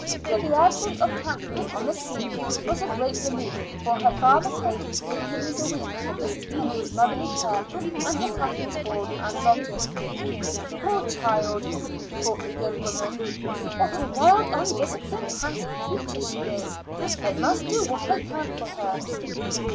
But the advent of Kathleen on the scene was a great relief, for her father paid three guineas a week for Mrs. Tennant's motherly care and for Kathleen's board and lodging. "Poor child!" thought the good woman. "What a wild, undisciplined, handsome creature she is! I must do what I can for her."